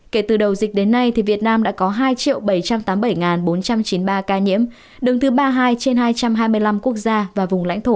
kể từ đầu dịch đến nay việt nam đã có hai bảy trăm tám mươi bảy bốn trăm chín mươi ba ca nhiễm đứng thứ ba mươi hai trên hai trăm hai mươi năm quốc gia và vùng lãnh thổ